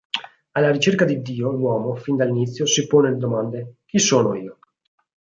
Alla ricerca di Dio l'uomo, fin dall'inizio, si pone le domande "Chi sono io?